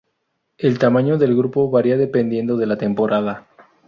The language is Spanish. El tamaño del grupo varia dependiendo de la temporada.